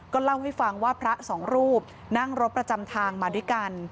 เล่าให้ฟังว่าพระสองรูปนั่งรถประจำทางมาด้วยกัน